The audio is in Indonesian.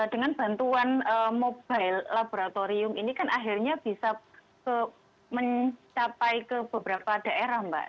dengan bantuan mobile laboratorium ini kan akhirnya bisa mencapai ke beberapa daerah mbak